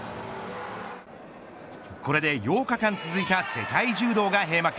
これで、８日間続いた世界柔道が閉幕。